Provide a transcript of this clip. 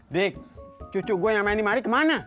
dek cucu gue yang main di mari kemana